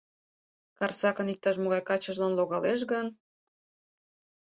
Карсакын иктаж-могай качыжлан логалеш гын?..